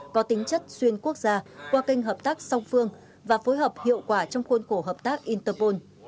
có tính chất xuyên quốc gia qua kênh hợp tác song phương và phối hợp hiệu quả trong khuôn khổ hợp tác interpol